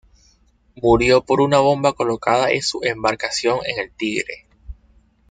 Murió por una bomba colocada en su embarcación en el Tigre.